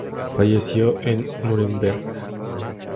Falleció en Núremberg.